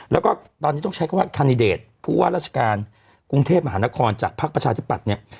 แล้วก็ตอนนี้ต้องใช้คำว่าแคนดิเดตผู้ว่าราชการกรุงเทพมหานครจากภักดิ์ประชาธิปัตย์เนี่ย